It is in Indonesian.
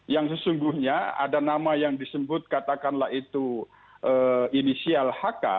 yang sesungguhnya ada nama yang disebut katakanlah itu inisial hk